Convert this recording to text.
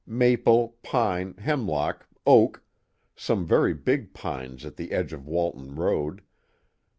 Maple, pine, hemlock, oak some very big pines at the edge of Walton Road....